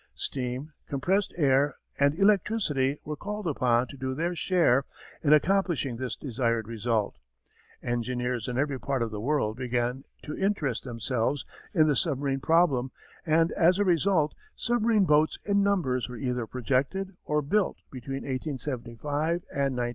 Steam, compressed air, and electricity were called upon to do their share in accomplishing this desired result. Engineers in every part of the world began to interest themselves in the submarine problem and as a result submarine boats in numbers were either projected or built between 1875 and 1900.